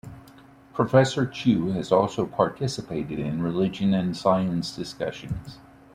Professor Chew has also participated in religion and science discussions.